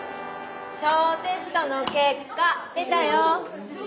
・小テストの結果出たよ。